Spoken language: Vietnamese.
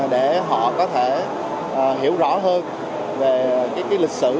để họ có thể hiểu rõ hơn về những lịch sử